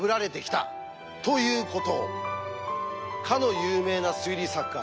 かの有名な推理作家